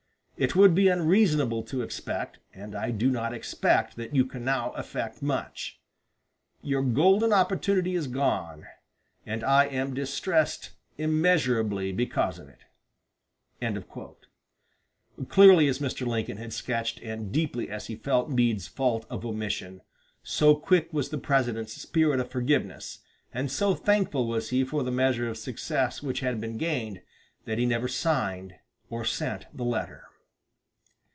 It would be unreasonable to expect, and I do not expect [that] you can now effect much. Your golden opportunity is gone, and I am distressed immeasurably because of it." Clearly as Mr. Lincoln had sketched and deeply as he felt Meade's fault of omission, so quick was the President's spirit of forgiveness, and so thankful was he for the measure of success which had been gained, that he never signed or sent the letter.